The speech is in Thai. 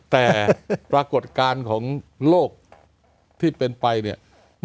แต่ปรากฏการณ์ของโลกที่เป็นไปเนี่ย